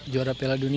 juara piala dunia